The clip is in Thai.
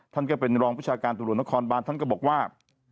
ท่านก็เป็นรองประชาการตำรวจนครบานท่านก็บอกว่า